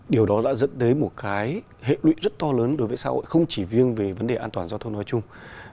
điều đó đã dẫn đến một cái hệ lụy rất to lớn đối với xã hội không chỉ riêng về vấn đề an toàn giao thông nói chung